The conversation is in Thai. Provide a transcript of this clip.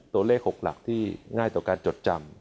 ตัวเลข๖หลักที่ง่ายต่อการจดจำ